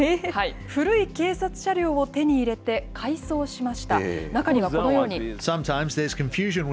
古い警察車両を手に入れて改装しました。